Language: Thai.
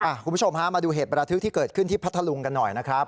คุณผู้ชมฮะมาดูเหตุประทึกที่เกิดขึ้นที่พัทธลุงกันหน่อยนะครับ